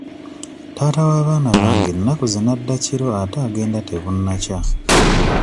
Taata w'abaana bange ennaku zino adda kiro ate agenda tebunnakya.